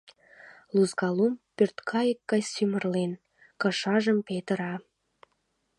Лузга лум, пӧрткайык гай сӱмырлен, кышажым петыра.